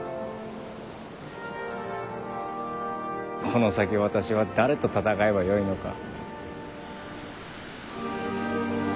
この先私は誰と戦えばよいのか。